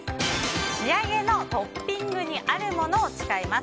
仕上げのトッピングにあるものを使います。